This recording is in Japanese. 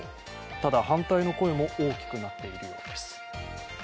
ただ、反対の声も大きくなっているようです。